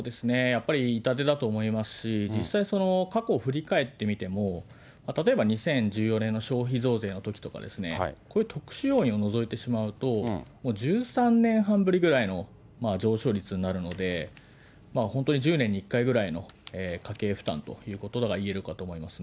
やっぱり痛手だと思いますし、実際、過去振り返ってみても、例えば２０１４年の消費増税のときとかですね、これ、特殊要因を除いてしまうともう１３年半ぶりぐらいの上昇率になるので、本当に１０年に１回ぐらいの家計負担ということがいえるかと思い